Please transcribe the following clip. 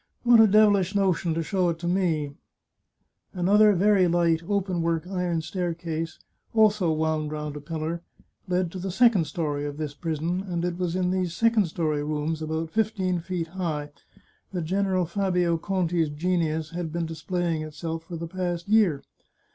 " What a devilish notion to show it to me I " Another very light open work iron staircase, also wound round a pillar, led to the second story of this prison, and it was in these second story rooms, about fifteen feet high, that General Fabio Conti's genius had been displaying itself for the past year.